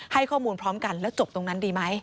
ให้ข้อมูลพร้อมกันแล้วจบตรงนั้นดีไหม